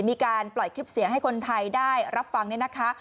มีการปล่อยคลิปเสียงให้คนไทยได้รับฟังเนี่ยนะคะ